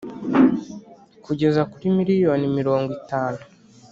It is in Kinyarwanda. kugeza kuri miriyoni mirongo itanu